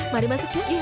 mari masuk jeng